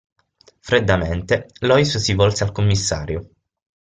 Freddamente, Lois si volse al commissario.